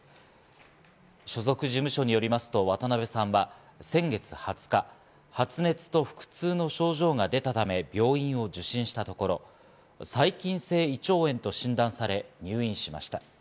所属事務所によりますと、渡辺さんは先月２０日、発熱と腹痛の症状が出たため、病院を受診したところ、細菌性胃腸炎と診断され、入院しました。